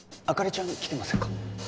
灯ちゃん来てませんか？